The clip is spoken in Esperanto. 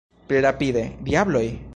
Pli rapide, diabloj!